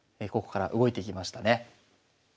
ここから動いていきましたね。